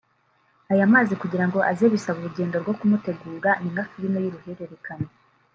aya mazi kugira ngo aze bisaba urugendo rwo kumutegura ni nka film y’uruhererekane